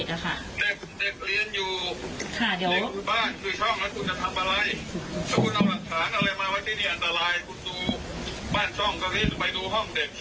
ในกรุ่นบ้านอยู่ช่องแล้วคุณจะทำอะไรถ้าคุณเอาหรับสารอะไรมาว่าที่นี่อันตรายคุณดูบ้านช่องก็รีดไปดูห้องเด็กซิ